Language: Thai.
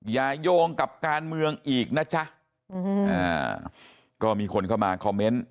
โยงกับการเมืองอีกนะจ๊ะก็มีคนเข้ามาคอมเมนต์